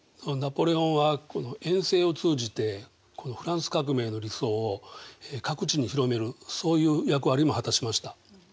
ナポレオンは遠征を通じてフランス革命の理想を各地に広めるそういう役割も果たしました。